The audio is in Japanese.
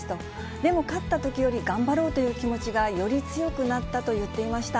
でも、勝ったときより頑張ろうという気持ちがより強くなったと言っていました。